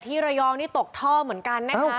ระยองนี่ตกท่อเหมือนกันนะคะ